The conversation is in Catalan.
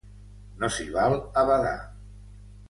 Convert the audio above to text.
No s'hi val a badar.